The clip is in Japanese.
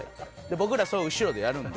僕らそれ後ろでやるので。